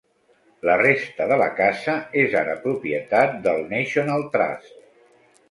La resta de la casa és ara propietat del National Trust.